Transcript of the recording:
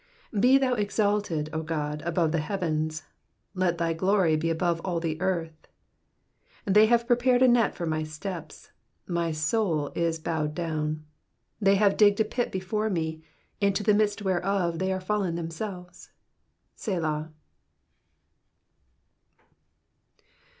5 Be thou exalted, O God, above the heavens ; let thy glory be above all the earth. 6 They have prepared a net for my steps ; my soul is bowed down : they have digged a pit before me, into the midst whereof they are fallen themselves, Selah.